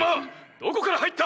どこから入った！！